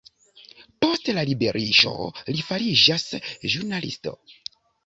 Post la liberiĝo li fariĝas ĵurnalisto.